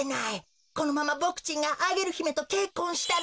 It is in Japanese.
このままボクちんがアゲルひめとけっこんしたら。